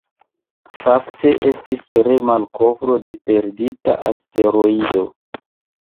Fakte, estis re-malkovro de perdita asteroido.